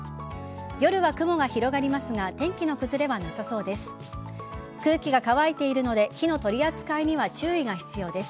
夜は雲が広がりますが天気の崩れはなさそうです。